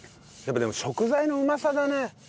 やっぱでも食材のうまさだね。